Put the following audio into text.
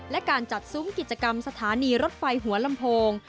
และการจัดซุ้มกิจกรรมสถานีรถไฟหัวลำโพง